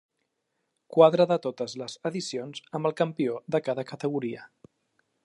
Quadre de totes les edicions amb el campió de cada categoria.